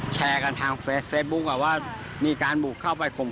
แล้วทางห่อมันต้องรับฝีดชอบ